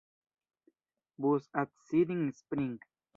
Bus at Siding Spring.